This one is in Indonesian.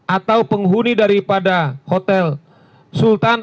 atau penghuni daripada hotel sultan